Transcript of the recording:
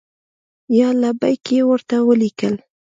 یا لبیک! یې ورته ولیکل.